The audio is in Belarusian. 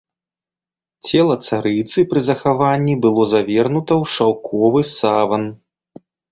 Цела царыцы пры захаванні было завернута ў шаўковы саван.